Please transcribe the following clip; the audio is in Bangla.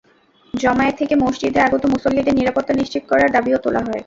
জমায়েত থেকে মসজিদে আগত মুসল্লিদের নিরাপত্তা নিশ্চিত করার দাবিও তোলা হয়।